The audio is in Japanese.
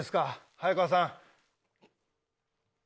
早川さん！